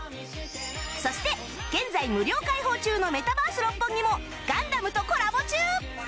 そして現在無料開放中のメタバース六本木も『ガンダム』とコラボ中！